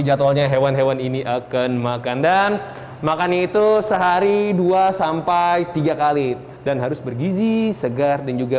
jadwalnya hewan hewan ini akan makan dan makan itu sehari dua tiga kali dan harus bergizi segar dan juga